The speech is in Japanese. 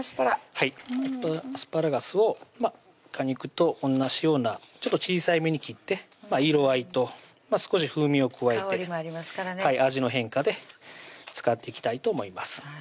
アスパラガスを果肉と同じようなちょっと小さいめに切って色合いと少し風味を加えて香りもありますからね味の変化で使っていきたいと思います